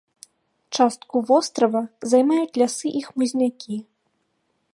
Частку вострава займаюць лясы і хмызнякі.